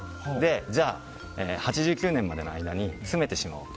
じゃあ、８９年までの間に詰めてしまおうって。